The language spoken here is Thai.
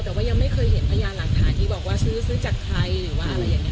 แต่ว่ายังไม่เคยเห็นพยานหลักฐานที่บอกว่าซื้อจากใครหรือว่าอะไรอย่างนี้